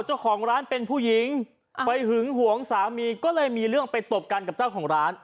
เจ้าของร้านเป็นผู้หญิงไปหึงหวงสามีก็เลยมีเรื่องไปตบกันกับเจ้าของร้าน